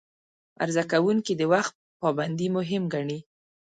عرضه کوونکي د وخت پابندي مهم ګڼي.